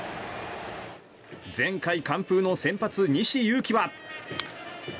前回完封の先発、西勇輝は。